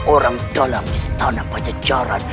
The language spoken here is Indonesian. orang dalam istana pajajaran